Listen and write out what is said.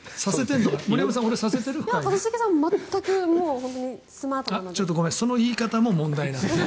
一茂さんはちょっとごめんその言い方も問題なんだよね。